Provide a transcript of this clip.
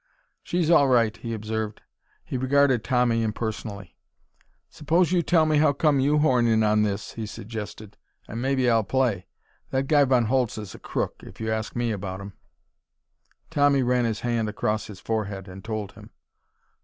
"She's all right," he observed. He regarded Tommy impersonally. "Suppose you tell me how come you horn in on this," he suggested, "an' maybe I'll play. That guy Von Holtz is a crook, if you ask me about him." Tommy ran his hand across his forehead, and told him.